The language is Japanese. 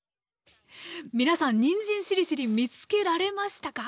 皆さんにんじんしりしりー見つけられましたか？